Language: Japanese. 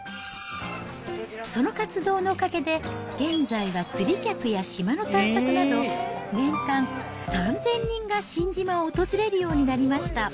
その活動のおかげで、現在は釣り客や島の探索など、年間３０００人が新島を訪れるようになりました。